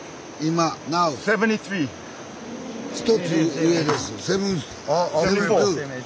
１つ上です。